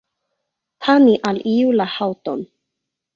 Tani al iu la haŭton.